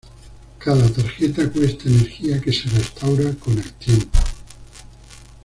Cada tarjeta cuesta energía que se restaura con el tiempo.